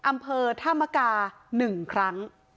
อำเภอธามกา๑ครั้ง